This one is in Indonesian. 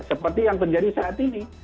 seperti yang terjadi saat ini